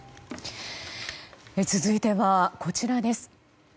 続いてはこちらです。